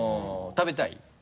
食べたい。